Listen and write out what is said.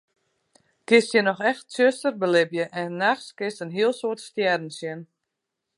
Kinst hjir noch echt tsjuster belibje en nachts kinst in hiel soad stjerren sjen.